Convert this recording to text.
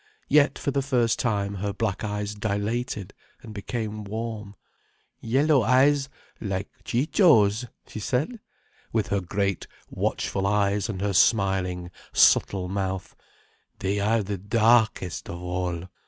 Yet for the first time her black eyes dilated and became warm. "Yellow eyes like Ciccio's?" she said, with her great watchful eyes and her smiling, subtle mouth. "They are the darkest of all."